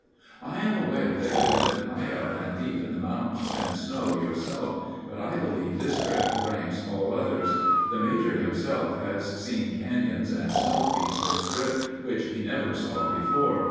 I am aware that you have been high up and deep in the mountains and snow yourself, but I believe this trip ranks all others. The Major himself has seen cañons and snow peaks this trip which he never saw before.